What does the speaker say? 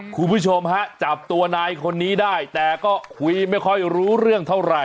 คุณผู้ชมฮะจับตัวนายคนนี้ได้แต่ก็คุยไม่ค่อยรู้เรื่องเท่าไหร่